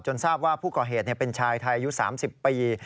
ทราบว่าผู้ก่อเหตุเป็นชายไทยอายุ๓๐ปี